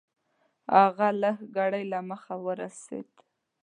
هغه لږ ګړی له مخه راورسېد .